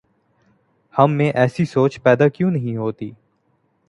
ہم میں ایسی سوچ پیدا کیوں نہیں ہوتی؟